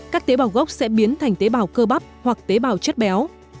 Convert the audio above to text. các tế bào gốc sẽ biến thành tế bào cơ bắp hoặc tế bào chất béo